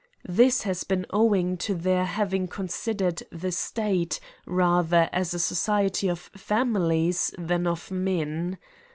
This has been owing to their having considered the state rather as a society ofya?nilies than o^men.